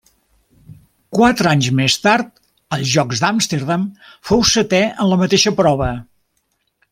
Quatre anys més tard, als Jocs d'Amsterdam, fou setè en la mateixa prova.